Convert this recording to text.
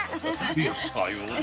いやさようで。